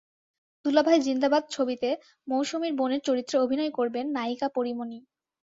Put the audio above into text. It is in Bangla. দুলাভাই জিন্দাবাদ ছবিতে মৌসুমীর বোনের চরিত্রে অভিনয় করবেন নায়িকা পরীমনি।